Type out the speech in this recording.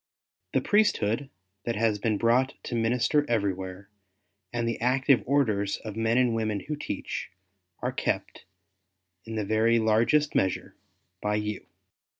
The Priesthood that has been brought to minister everywhere, and the active Orders of men and women who teach, are kept in the very largest measure, by you.